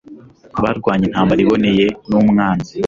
Barwanye intambara iboneye n'umwanzi.